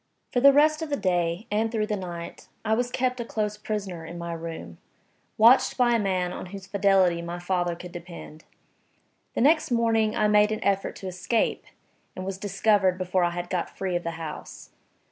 FOR the rest of the day, and through the night, I was kept a close prisoner in my room, watched by a man on whose fidelity my father could depend. The next morning I made an effort to escape, and was discovered before I had got free of the house.